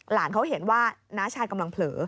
หลานเขาเห็นว่าน้าชายกำลังเผลอ